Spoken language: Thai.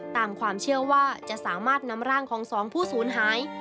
ตามความเชื่อว่าจะสามารถนำร่างของสองผู้ศูนย์หาย